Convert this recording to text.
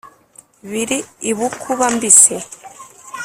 biri i bukuba-mbisi